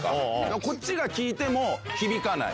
こっちが聞いても、響かない。